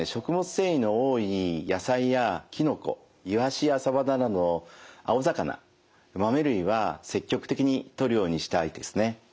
繊維の多い野菜やきのこイワシやサバなどの青魚豆類は積極的にとるようにしたいですね。